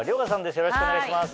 よろしくお願いします。